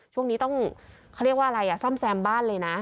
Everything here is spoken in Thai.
ช่วงนี้ต้องเขาเรียกว่าอะไรอ่ะซ่อมแซมบ้านเลยนะ